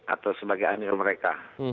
atau sebagai amir mereka